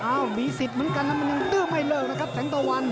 มีสิทธิ์เหมือนกันนะมันยังดื้อไม่เลิกนะครับแสงตะวัน